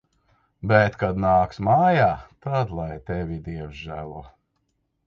Bet kad nāks mājā, tad lai tevi Dievs žēlo.